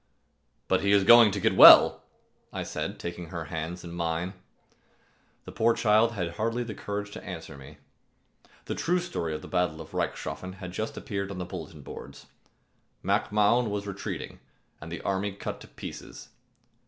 "But he is going to get well," I said, taking her hands in mine. The poor child had hardly courage to answer me. The true story of the battle of Reichshoffen had just appeared on the bulletin boards. Mac Mahon was retreating and the army cut to pieces.